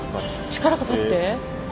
力がかかって？